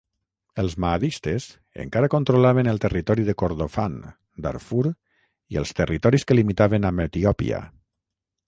Els mahdistes encara controlaven el territori de Kordofan, Darfur i els territoris que limitaven amb Etiòpia.